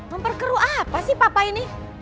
memperkeru apa sih papa ini